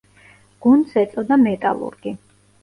გუნდს ეწოდა „მეტალურგი“.